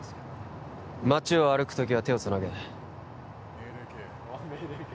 街を歩く時は手をつなげ命令形